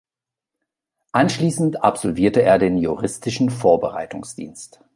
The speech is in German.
Anschließend absolvierte er den juristischen Vorbereitungsdienst.